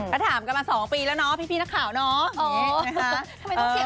ก็ถามมาสองปีแล้วนะพี่หน้าข่าวนะ